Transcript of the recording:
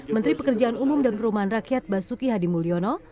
menteri pekerjaan umum dan perumahan rakyat basuki hadi mulyono